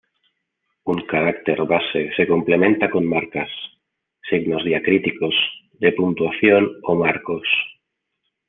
Un carácter base se complementa con marcas: signos diacríticos, de puntuación o marcos.